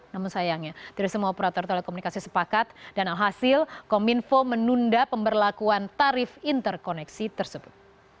namun sayangnya tidak semua operator telekomunikasi sepakat dan alhasil kominfo menunda pemberlakuan tarif interkoneksi tersebut